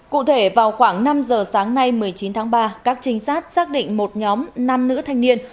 cụ thể vào khoảng năm giờ sáng nay một mươi chín tháng ba các trinh sát xác định một nhóm năm nữ thanh niên